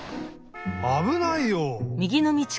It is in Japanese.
あぶないよ！